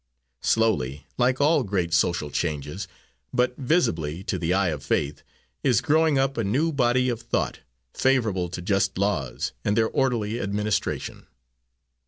Slowly, like all great social changes, but visibly, to the eye of faith, is growing up a new body of thought, favourable to just laws and their orderly administration.